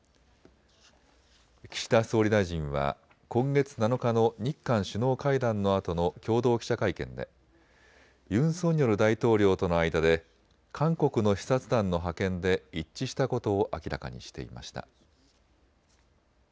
岸田総理大臣は今月７日の日韓首脳会談のあとの共同記者会見でユン・ソンニョル大統領との間で韓国の視察団の派遣で一致したことを明らかにしていました。